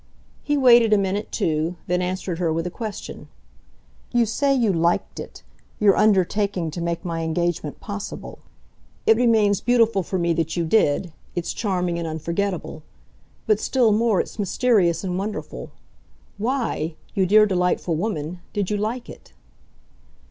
He waited a minute too, then answered her with a question. "You say you 'liked' it, your undertaking to make my engagement possible. It remains beautiful for me that you did; it's charming and unforgettable. But, still more, it's mysterious and wonderful. WHY, you dear delightful woman, did you like it?"